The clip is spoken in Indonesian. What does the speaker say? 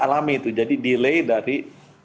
alami itu jadi delay dari